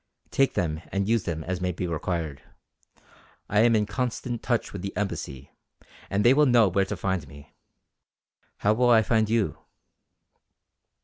"Take them and use them as may be required. I am in constant touch with the Embassy and they will know where to find me. How will I find you?"